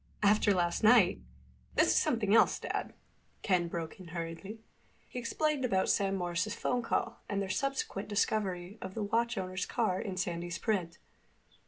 "After last night—" "This is something else, Dad," Ken broke in hurriedly. He explained about Sam Morris's phone call and their subsequent discovery of the watch owner's car in Sandy's print.